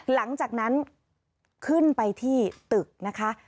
หลังจากนั้นขึ้นไปที่ตึกนะคะ